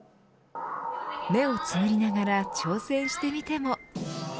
目をつむりながら挑戦してみても。